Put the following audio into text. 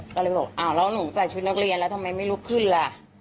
ก็เลยบอกอ้าวแล้วหนูใส่ชุดนักเรียนแล้วทำไมไม่ลุกขึ้นล่ะ